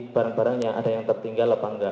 barang barangnya ada yang tertinggal atau enggak